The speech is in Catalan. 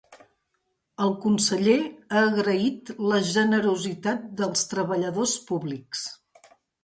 El conseller ha agraït la “generositat” dels treballadors públics.